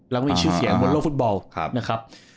และวินชื่อเสียงบนโลกฟุตบอล